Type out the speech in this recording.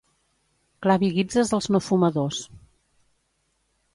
Clavi guitzes als no fumadors.